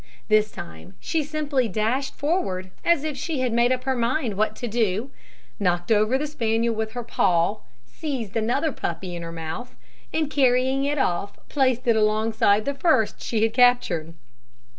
This time she simply dashed forward, as if she had made up her mind what to do, knocked over the spaniel with her paw, seized another puppy in her mouth, and carrying it off, placed it alongside the first she had captured.